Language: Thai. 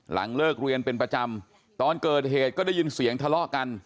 หลังเลิกเรียนเป็นประจำตอนเกิดเหตุก็ได้ยินเสียงทะเลาะกัน